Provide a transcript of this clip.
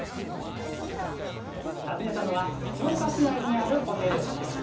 訪ねたのは福岡市内にあるホテル